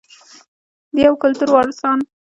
د یو کلتور وارثان.